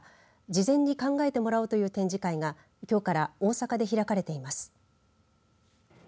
事前に考えてもらおうという展示会がきょうから大阪で開かれています。